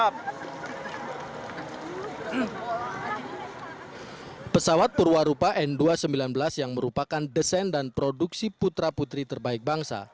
pesawat perwarupa n dua ratus sembilan belas yang merupakan desain dan produksi putra putri terbaik bangsa